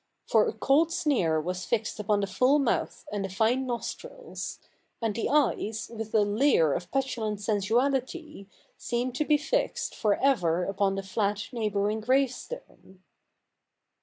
For a cold sneer was fixed upon the full mouth and the fine nostrils ; and the eyes, with a leer of petulant sensuality, seemed to be fixed for ever upon the flat neighbouring gravestone.